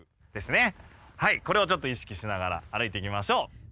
はいこれをちょっと意識しながら歩いていきましょう。